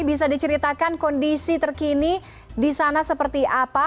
bisa diceritakan kondisi terkini di sana seperti apa